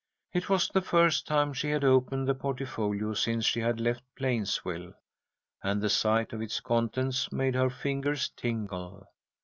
It was the first time she had opened the portfolio since she had left Plainsville, and the sight of its contents made her fingers tingle.